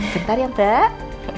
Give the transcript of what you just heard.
bentar ya mbak